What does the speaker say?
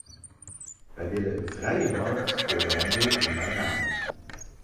Wij willen een vrije markt voor de handel in bananen.